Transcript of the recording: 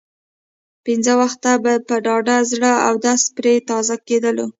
پنځه وخته به په ډاډه زړه اودس پرې تازه کېدلو.